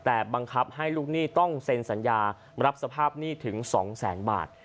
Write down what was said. แต่บังคับให้ลูกหนี้ต้องเซ็นสัญญารับสภาพหนี้ถึง๒แสนบาท